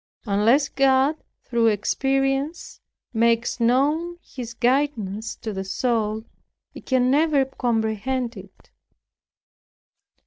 Unless God through experience, makes known His guidance to the soul, it can never comprehend it.